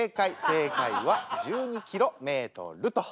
正解は１２キロメートルと。